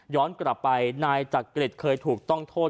กลับไปนายจักริตเคยถูกต้องโทษ